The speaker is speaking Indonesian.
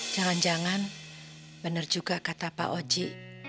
jangan jangan benar juga kata pak oji